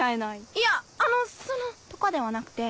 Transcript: いやあのその。とかではなくて。